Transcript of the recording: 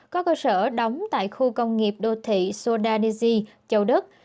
có cơ sở đóng tại khu công nghiệp đô thị sodanisia châu đức